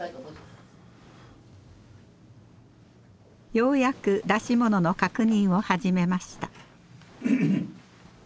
ようやく出し物の確認を始めました。